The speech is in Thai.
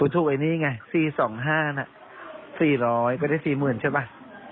ตัวอย่างนี้ไงสี่สองห้าร้อยสี่ร้อยไม่ได้สี่หมื่นจะเป็น